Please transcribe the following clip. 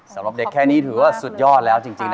สำหรับเด็กแค่นี้ถือว่าสุดยอดแล้วจริง